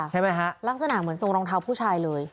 ใช่ไหมฮะลักษณะเหมือนทรงรองเท้าผู้ชายเลย